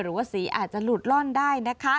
หรือว่าสีอาจจะหลุดล่อนได้นะคะ